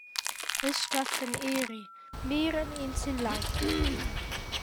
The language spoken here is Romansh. Els stattan eri, miran in sin l’auter.